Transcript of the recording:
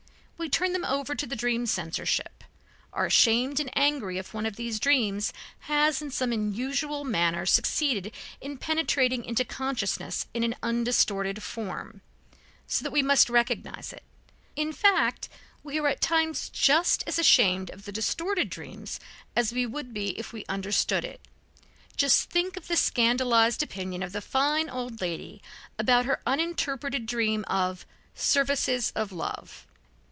We turn them over to the dream censorship, are ashamed and angry if one of these dreams has in some unusual manner succeeded in penetrating into consciousness in an undistorted form, so that we must recognize it in fact, we are at times just as ashamed of the distorted dream as we would be if we understood it. Just think of the scandalized opinion of the fine old lady about her uninterpreted dream of "services of love."